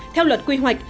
theo luật quy hoạch